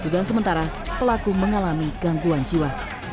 dan sementara pelaku mengalami gangguan jiwa